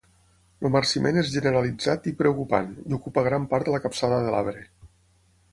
El marciment és generalitzat i preocupant, i ocupa gran part de la capçada de l'arbre.